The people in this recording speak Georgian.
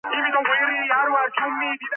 ასევე მას იყენებენ საწვავად ავტომობილებში.